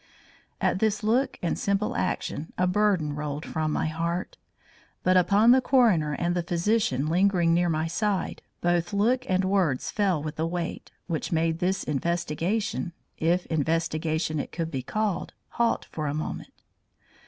At this look and simple action a burden rolled from my heart. But upon the coroner and the physician lingering near my side, both look and words fell with a weight which made this investigation, if investigation it could be called, halt a moment.